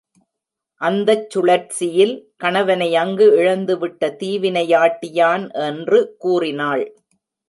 அந்தச் சுழற்சியில் கணவனை அங்கு இழந்து விட்ட தீ வினை யாட்டி யான் என்று கூறினாள்.